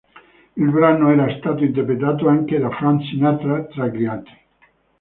Il brano era stato interpretato anche da Frank Sinatra, tra gli altri.